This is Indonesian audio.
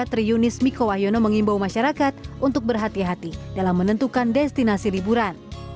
triunis mikowayono mengimbau masyarakat untuk berhati hati dalam menentukan destinasi liburan